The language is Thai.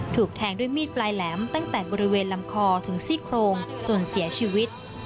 ถูกแทงด้วยมีดปลายแหลมตั้งแต่บริเวณลำคอถึงซี่โครงจนเสียชีวิต